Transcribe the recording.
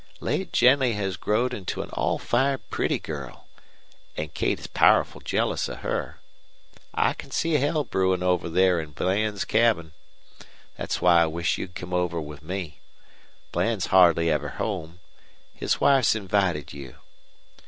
Late Jennie has growed into an all fired pretty girl, an' Kate is powerful jealous of her. I can see hell brewin' over there in Bland's cabin. Thet's why I wish you'd come over with me. Bland's hardly ever home. His wife's invited you.